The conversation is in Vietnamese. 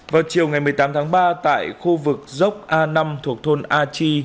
vào chiều ngày một mươi tám tháng ba tại khu vực dốc a năm thuộc thôn an